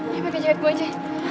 ya pak jahit gue aja